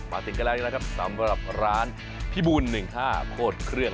ติดกันแล้วนะครับสำหรับร้านพิบูล๑๕โคตรเครื่อง